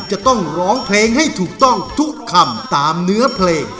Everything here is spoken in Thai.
จะต้องร้องเพลงให้ถูกต้องทุกคำตามเนื้อเพลง